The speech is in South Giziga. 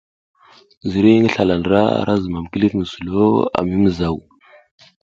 Ziriy ngi slala ndra ara zumam kilif mi sulo a mi mizaw.